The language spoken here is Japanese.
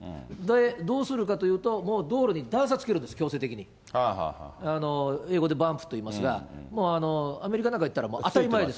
どうするかというと、もう道路に段差つけるんです、強制的に、英語でバンプっていいますが、アメリカなんか行ったら当たり前です。